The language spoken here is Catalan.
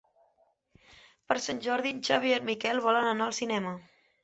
Per Sant Jordi en Xavi i en Miquel volen anar al cinema.